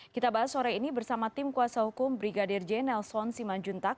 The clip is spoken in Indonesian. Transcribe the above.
kita bahas sore ini bersama tim kuasa hukum brigadir j nelson simanjuntak